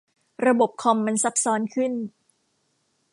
ระบบคอมมันซับซ้อนขึ้น